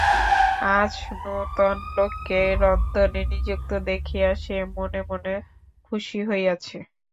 আজ নূতন লোককে রন্ধনে নিযুক্ত দেখিয়া সে মনে মনে খুশি হইয়াছে।